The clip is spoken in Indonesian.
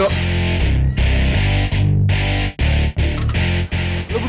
lo kedua takut